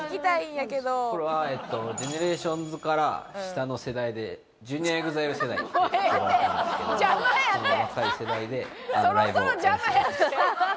これはＧＥＮＥＲＡＴＩＯＮＳから下の世代でＪｒ．ＥＸＩＬＥ世代って呼ばれてるんですけどその若い世代でライブをやらせていただきます。